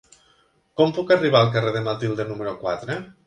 Com puc arribar al carrer de Matilde número quatre?